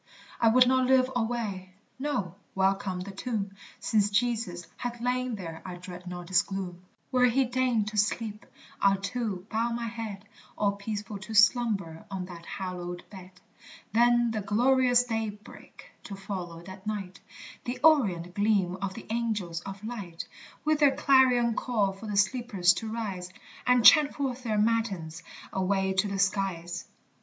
I would not live alway no, welcome the tomb, Since Jesus hath lain there I dread not its gloom; Where he deigned to sleep, I'll too bow my head, All peaceful to slumber on that hallowed bed. Then the glorious daybreak, to follow that night, The orient gleam of the angels of light, With their clarion call for the sleepers to rise. And chant forth their matins, away to the skies.